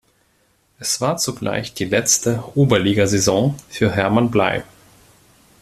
Es war zugleich die letzte Oberligasaison für Hermann Bley.